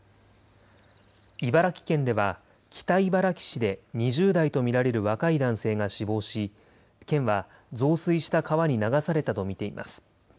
茨城県では、北茨城市で２０代と見られる若い男性が死亡し、県は増水した川に流されたと見ています。